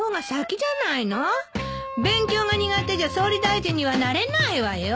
勉強が苦手じゃ総理大臣にはなれないわよ。